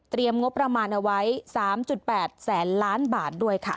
งบประมาณเอาไว้๓๘แสนล้านบาทด้วยค่ะ